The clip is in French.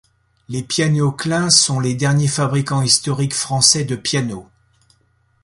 Les pianos Klein sont les derniers fabricants historique Français de pianos.